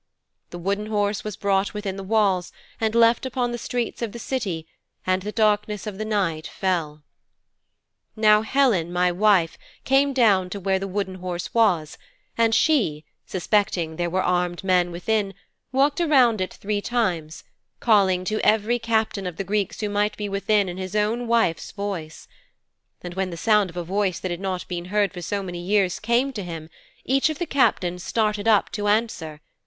The Wooden Horse was brought within the walls and left upon the streets of the city and the darkness of the night fell.' 'Now Helen, my wife, came down to where the Wooden Horse was, and she, suspecting there were armed men within, walked around it three times, calling to every captain of the Greeks who might be within in his own wife's voice. And when the sound of a voice that had not been heard for so many years came to him each of the captains started up to answer.